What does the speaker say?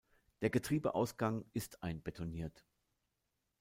Der Getriebeausgang ist einbetoniert.